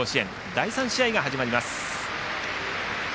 第３試合が始まります。